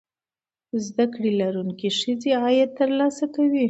زده کړې لرونکې ښځې عاید ترلاسه کوي.